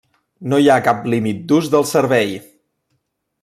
No hi ha cap límit d'ús del servei.